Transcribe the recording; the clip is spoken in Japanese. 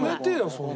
そんな。